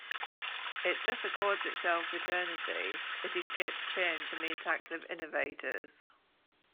It thus accords itself eternity; it escapes change and the attacks of innovators.